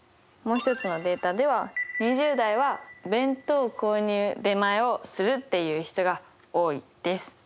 もう一つのデータでは２０代は弁当購入出前をするっていう人が多いです。